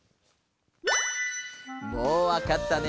もうわかったね？